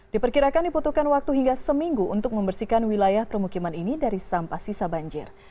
diperkirakan diputuhkan waktu hingga seminggu untuk membersihkan wilayah permukiman ini dari sampah sisa banjir